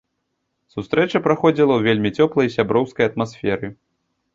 Сустрэча праходзіла ў вельмі цёплай і сяброўскай атмасферы.